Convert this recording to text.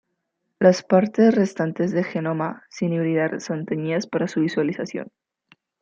Las partes restantes del genoma sin hibridar son teñidas para su visualización.